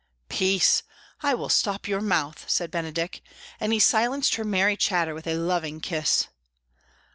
"Peace, I will stop your mouth!" said Benedick; and he silenced her merry chatter with a loving kiss.